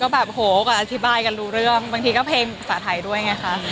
แบบโหก็อธิบายกันรู้เรื่องบางทีก็เพลงภาษาไทยด้วยไงคะ